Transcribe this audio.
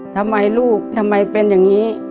ทำไมลูกทำไมเป็นอย่างนี้